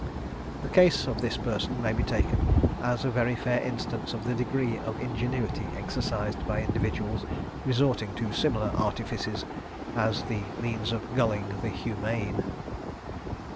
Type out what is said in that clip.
The case of this person may be taken as a very fair instance of the degree of ingenuity exercised by individuals resorting to similar artifices as the means of gulling the humane.